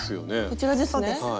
こちらですね。